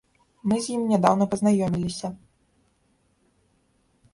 Мы з ім нядаўна пазнаёміліся.